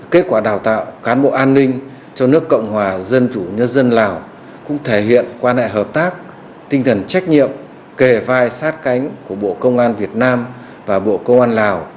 kết quả đào tạo cán bộ an ninh cho nước cộng hòa dân chủ nhân dân lào cũng thể hiện quan hệ hợp tác tinh thần trách nhiệm kề vai sát cánh của bộ công an việt nam và bộ công an lào